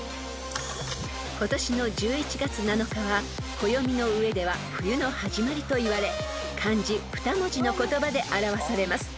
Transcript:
［今年の１１月７日は暦の上では冬の始まりといわれ漢字２文字の言葉で表されます］